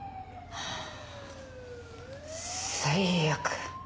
最悪。